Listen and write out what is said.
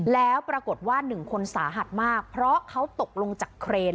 แล้วปรากฏว่าหนึ่งคนสาหัสมากเพราะเขาตกลงจากเครน